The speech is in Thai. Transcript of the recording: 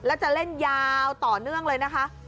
แล้วจะเล่นยาวต่อเนื่องเลยนะคะ